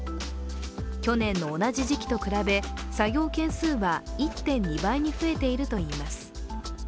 去年の同じ時期と比べ、作業件数は１．２倍に増えているといいます。